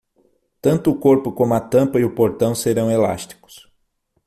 Tanto o corpo como a tampa e o portão serão elásticos.